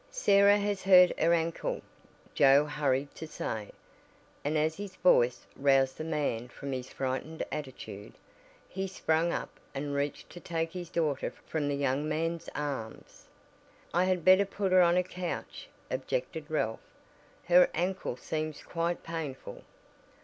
"Sarah has hurt her ankle," Joe hurried to say, and as his voice roused the man from his frightened attitude, he sprang up and reached to take his daughter from the young man's arms. "I had better put her on a couch," objected Ralph, "Her ankle seems quite painful."